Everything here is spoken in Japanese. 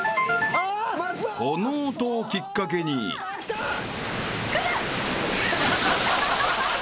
［この音をきっかけに］来た！来る！